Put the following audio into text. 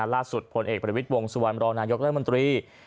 ล่าสุดผลเอกบริวิทย์วงศ์สุวรรณนายกและมันตรี